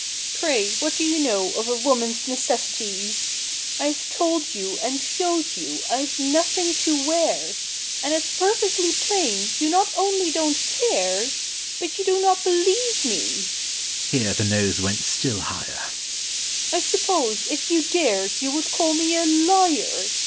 Pray, what do you know of a woman's necessities? I have told you and showed you I've nothing to wear, And it's perfectly plain you not only don't care, But you do not believe me" (here the nose went still higher) I suppose, if you dared, you would call me a liar.